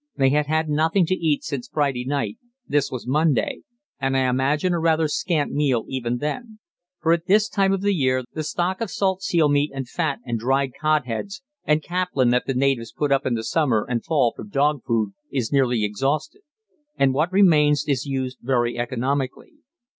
they had had nothing to eat since Friday night this was Monday and I imagine a rather scant meal even then; for at this time of the year the stock of salt seal meat and fat and dried cod heads and caplin that the natives put up in the summer and fall for dog food is nearly exhausted, and what remains is used very economically.